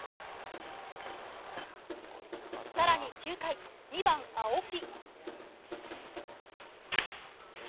更に９回、２番、青木。